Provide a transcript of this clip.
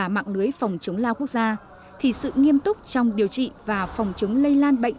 mạng lưới phòng chống lao quốc gia thì sự nghiêm túc trong điều trị và phòng chống lây lan bệnh